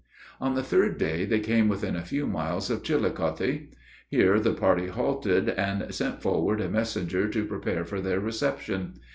On the third day, they came within a few miles of Chillicothe. Here the party halted, and sent forward a messenger to prepare for their reception.